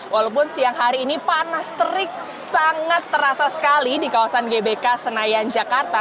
walaupun siang hari ini panas terik sangat terasa sekali di kawasan gbk senayan jakarta